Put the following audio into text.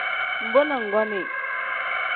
Mbo na nggonii.